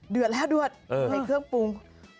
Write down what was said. เดือดแล้วเดือดใส่เครื่องปรุง